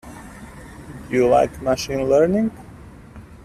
Do you like Machine Learning?